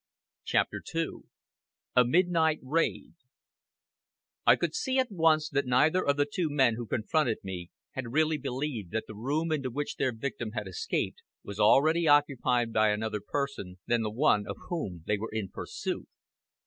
CHAPTER II A MIDNIGHT RAID I could see at once that neither of the two men who confronted me had really believed that the room into which their victim had escaped was already occupied by any other person than the one of whom they were in pursuit.